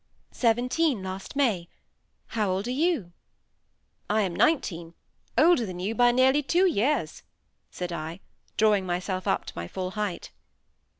"Seventeen last May. How old are you?" "I am nineteen. Older than you by nearly two years," said I, drawing myself up to my full height.